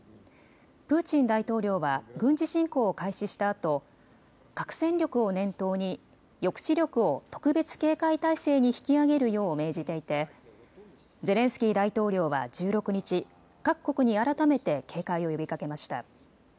プーチン大統領は軍事侵攻を開始したあと核戦力を念頭に抑止力を特別警戒態勢に引き上げるよう命じていてゼレンスキー大統領は１６日、各国に改めて警戒を呼びかけました。